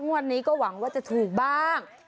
วันนี้ก็หวังว่าจะถูกบ้าง